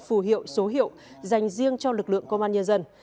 phù hiệu số hiệu dành riêng cho lực lượng công an nhân dân